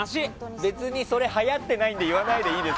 別にそれ、はやってないので言わないでいいです。